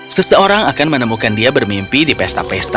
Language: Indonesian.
seseorang akan menemukan dia bermimpi di pesta pesta